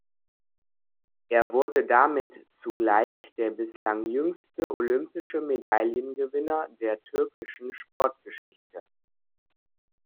Er wurde damit zugleich der bislang jüngste olympische Medaillengewinner der türkischen Sportgeschichte.